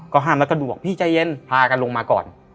ห้ามแล้วก็ดูบอกพี่ใจเย็นพากันลงมาก่อน